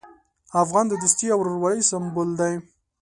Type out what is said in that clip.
افغان د دوستي او ورورولۍ سمبول دی.